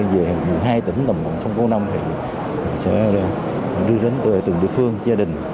về hai tỉnh đồng bạc sông cô nông thì sẽ đưa đến từ từng địa phương gia đình